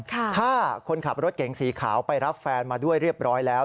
ถ้าคนขับรถเก๋งสีขาวไปรับแฟนมาด้วยเรียบร้อยแล้ว